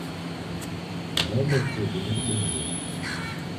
Rede kudu nikudungue